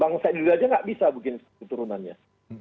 bang said tidur saja tidak bisa membuat turunannya